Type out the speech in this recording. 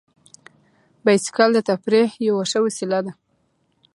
بایسکل د تفریح یوه ښه وسیله ده.